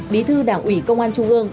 bí thư đảng ủy công an trung ương